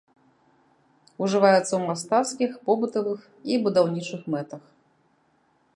Ужываецца ў мастацкіх, побытавых і будаўнічых мэтах.